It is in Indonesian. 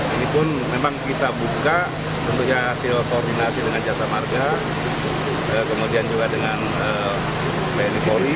ini pun memang kita buka tentunya hasil koordinasi dengan jasa marga kemudian juga dengan tni polri